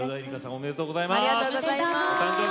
おめでとうございます。